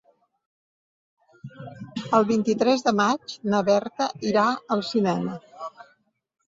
El vint-i-tres de maig na Berta irà al cinema.